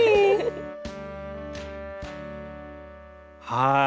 はい。